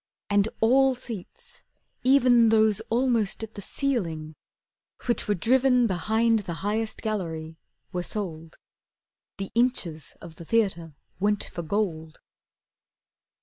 And all seats, even Those almost at the ceiling, which were driven Behind the highest gallery, were sold. The inches of the theatre went for gold.